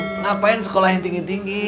ngapain sekolah yang tinggi tinggi